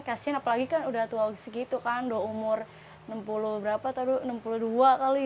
kasian apalagi kan udah tua segitu kan udah umur enam puluh berapa tau enam puluh dua kali